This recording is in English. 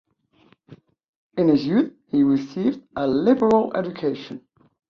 In his youth he received a liberal education.